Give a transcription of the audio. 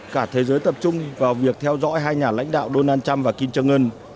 cả thế giới tập trung vào việc theo dõi hai nhà lãnh đạo donald trump và kim jong un